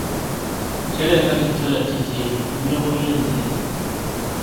chɛliya ka ti tola tɛte n-nya ŋun yɛn di li.